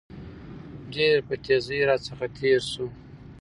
ډېر په تېزى راڅخه تېر شو.